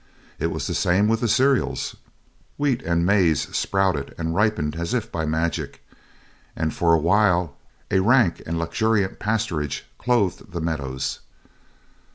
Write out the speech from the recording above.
It was the same with the cereals; wheat and maize sprouted and ripened as if by magic, and for a while a rank and luxuriant pasturage clothed the meadows.